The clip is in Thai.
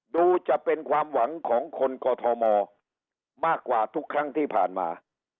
ดูจะเป็นความหวังของคนกอทมมากกว่าทุกครั้งที่ผ่านมา